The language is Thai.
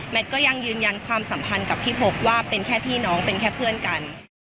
ก็ยังยืนยันความสัมพันธ์กับพี่พบว่าเป็นแค่พี่น้องเป็นแค่เพื่อนกัน